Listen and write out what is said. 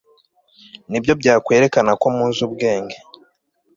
ni byo byakwerekana ko muzi ubwenge